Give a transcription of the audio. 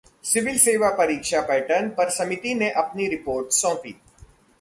civil सेवा परीक्षा pattern पर समिति ने अपनी रिपोर्ट सौंपी